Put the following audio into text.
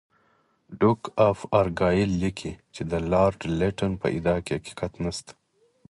ډوک آف ارګایل لیکي چې د لارډ لیټن په ادعا کې حقیقت نشته.